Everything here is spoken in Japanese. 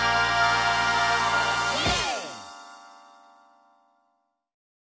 イエーイ！